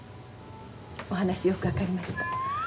お話よく分かりました